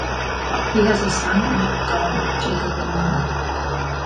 He has a son and daughter, Jacob and Nina.